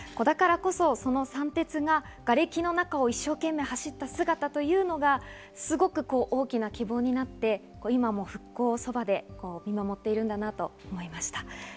だからこそ、その三鉄ががれきの中を一生懸命走った姿というのがすごく大きな希望になって今も復興をそばで見守っているんだなと思いました。